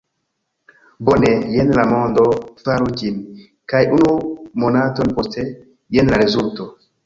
"Bone, jen la mondo, faru ĝin!" kaj unu monaton poste, jen la rezulto!